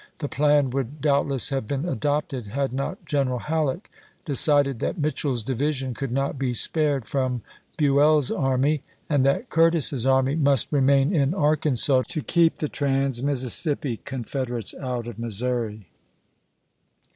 The plan would doubt 1862. less have been adopted had not G eneral Halleck decided that Mitchel's division could not be spared from Buell's army, and that Curtis's army must "Life of s. p. Cliase " remain in Arkansas to keep the trans Mississippi pp. 441 447. Confederates out of Missouri.